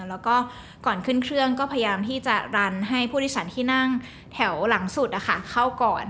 แล้วก็ก่อนขึ้นเครื่องก็พยายามที่จะรันให้ผู้โดยสารที่นั่งแถวหลังสุดเข้าก่อน